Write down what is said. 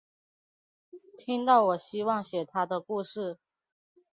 听到我希望写她的故事